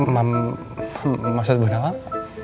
maksud ibu nawang